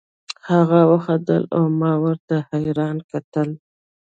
هغه خندل او ما ورته حيران کتل.